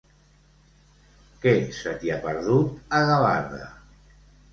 Què se t'hi ha perdut, a Gavarda?